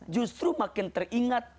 justru makin teringat